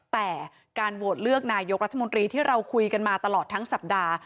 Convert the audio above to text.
แต่การโหวตเลือกนายกรัฐมนตรีที่เราคุยกันมาตลอดทั้งสัปดาห์